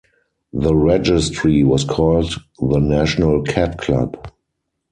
The registry was called the National Cat Club.